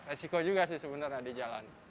resiko juga sih sebenarnya di jalan